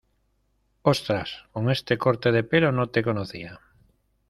Ostras, con este corte de pelo no te conocía.